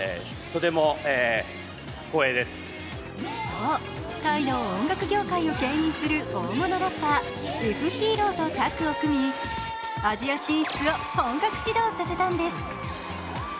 そう、タイの音楽業界をけん引する大物ラッパー、エフ・ヒーローとタッグを組み、アジア進出を本格始動させたんです。